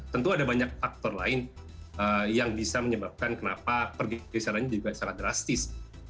tentu ada banyak faktor lain yang bisa menyebabkan kenapa pergeserannya juga sangat drastis